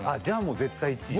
じゃあもう絶対１位。